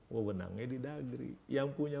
wewenangnya di dagri yang punya